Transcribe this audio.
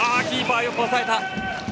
キーパー、よく抑えた！